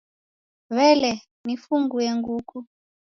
W'ele, nifunguye nguku?